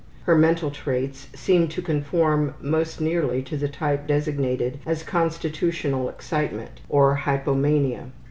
Her mental traits seemed to conform most nearly to the type designated as constitutional excitement, or hypomania.